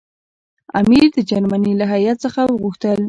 امیر د جرمني له هیات څخه وغوښتل.